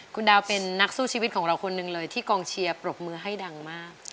คุณดาวเป็นนักสู้ชีวิตของเราคนหนึ่งเลยที่กองเชียร์ปรบมือให้ดังมาก